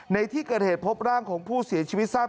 ในที่เกิดเหตุพบร่างของผู้เสียชีวิตทราบ